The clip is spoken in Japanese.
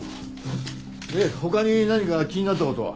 で他に何か気になった事は？